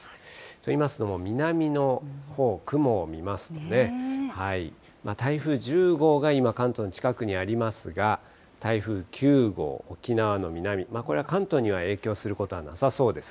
といいますのも、南のほう、雲を見ますとね、台風１０号が今、関東の近くにありますが、台風９号、沖縄の南、これは関東には影響することはなさそうです。